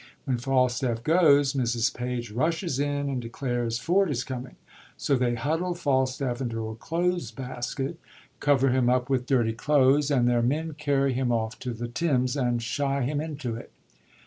When Falstafif goes, Mrs. Page rushes in and declares Ford is coming; so they huddle Falstafif into a clothes basket, cover him up with dirty clothes, and their men carry him off to the Thames, and shy him into it.